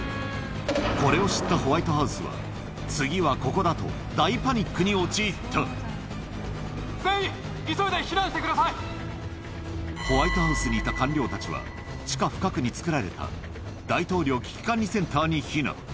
これを知ったホワイトハウスは、全員、ホワイトハウスにいた官僚たちは、地下深くに作られた大統領危機管理センターに避難。